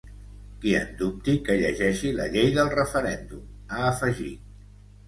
Qui en dubti, que llegeixi la llei del referèndum, ha afegit.